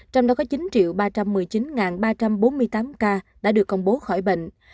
trong đó có chín ba trăm một mươi chín ba trăm bốn mươi tám ca đã được công bố khỏi bệnh